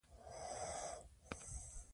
د دې ژبې درناوی د هر چا دنده ده.